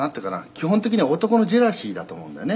基本的には男のジェラシーだと思うんだよね」